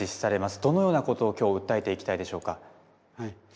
どのようなことをきょう訴えていきたいでしょうか。